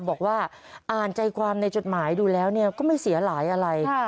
บอกว่าอ่านใจความในจดหมายดูแล้วก็ไม่เสียหายอะไร